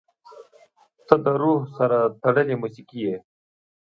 • ته د روح سره تړلې موسیقي یې.